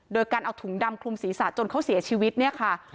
โดยการเอาถุงดำคลุมศีรษะจนเขาเสียชีวิตเนี่ยค่ะ